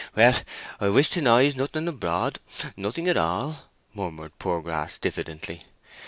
"Heh heh! well, I wish to noise nothing abroad—nothing at all," murmured Poorgrass, diffidently.